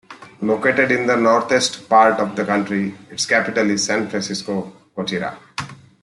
Located in the northeast part of the country, its capital is San Francisco Gotera.